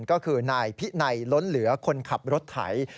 ก็คือนายพินัยล้นเหลือคนขับรถไถ